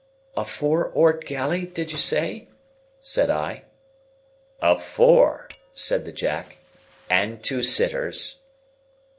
"A four oared galley, did you say?" said I. "A four," said the Jack, "and two sitters."